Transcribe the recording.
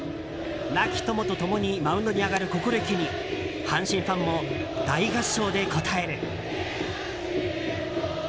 亡き友と共にマウンドに上がる心意気に阪神ファンも大合唱で応える。